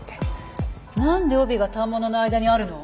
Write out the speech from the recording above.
何で帯が反物の間にあるの？